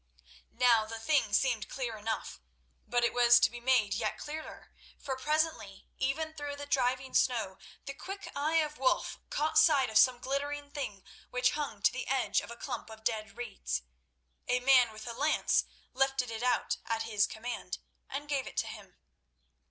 Now the thing seemed clear enough, but it was to be made yet clearer, for presently, even through the driving snow, the quick eye of Wulf caught sight of some glittering thing which hung to the edge of a clump of dead reeds. A man with a lance lifted it out at his command, and gave it to him.